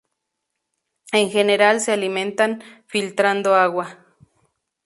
En general se alimentan filtrando agua.